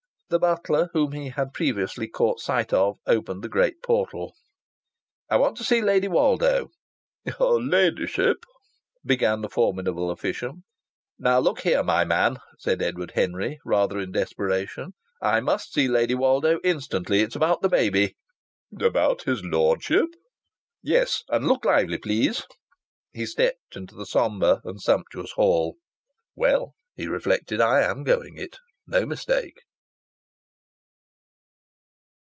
The butler whom he had previously caught sight of opened the great portal. "I want to see Lady Woldo." "Her ladyship " began the formidable official. "Now, look here, my man," said Edward Henry, rather in desperation, "I must see Lady Woldo instantly. It's about the baby " "About his lordship?" "Yes. And look lively, please." He stepped into the sombre and sumptuous hall. "Well," he reflected, "I am going it no mistake!"